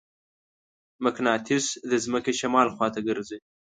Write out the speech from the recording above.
مقناطیس د ځمکې شمال خواته ګرځي.